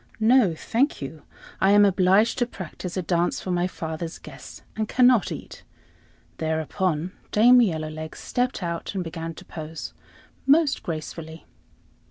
"No, thank you; I am obliged to practise a dance for my father's guests, and cannot eat." Thereupon Dame Yellowlegs stepped out, and began to pose most gracefully.